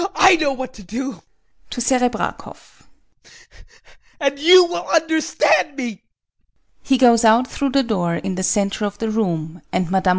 I know what to do. [To SEREBRAKOFF] And you will understand me! He goes out through the door in the centre of the room and MME.